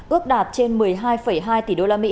ước đạt trên một mươi hai hai tỷ usd